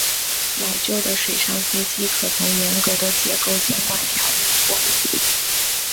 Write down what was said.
老旧的水上飞机可从严格的结构监管条例豁免。